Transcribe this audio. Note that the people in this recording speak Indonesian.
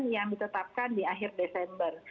yang ditetapkan di akhir desember